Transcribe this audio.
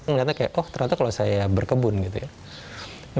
ngeliatnya kayak oh ternyata kalau saya berkebun gitu ya